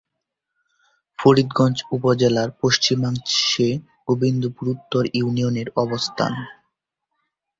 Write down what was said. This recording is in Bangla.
ফরিদগঞ্জ উপজেলার পশ্চিমাংশে গোবিন্দপুর উত্তর ইউনিয়নের অবস্থান।